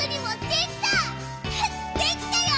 できたよ！」